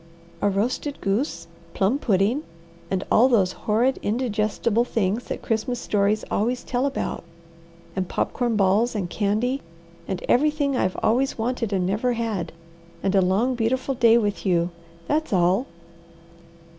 "A roasted goose, plum pudding, and all those horrid indigestible things that Christmas stories always tell about; and popcorn balls, and candy, and everything I've always wanted and never had, and a long beautiful day with you. That's all!"